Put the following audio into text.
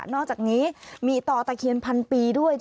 อกจากนี้มีต่อตะเคียนพันปีด้วย